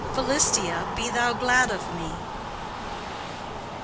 "Philistia, be thou glad of me!"